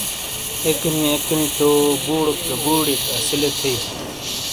اکنیا اکنی تو بوڑوک گہ بوڑیک اسیلے تھئ۔